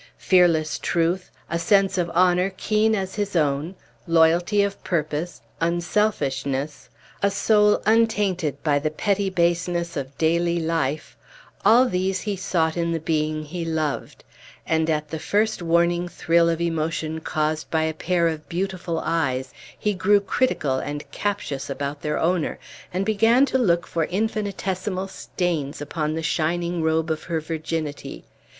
Fearless truth, a sense of honor keen as his own, loyalty of purpose, unselfishness, a soul untainted by the petty baseness of daily life all these he sought in the being he loved; and at the first warning thrill of emotion caused by a pair of beautiful eyes, he grew critical and captious about their owner, and began to look for infinitesimal stains upon the shining robe of her virginity.